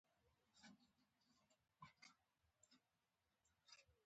احمد د سارا پرده ورڅېرې کړه.